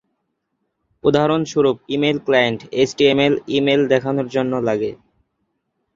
উদাহরণস্বরূপ, email client HTML email দেখানোর জন্যে লাগে।